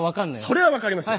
それは分かりますよ！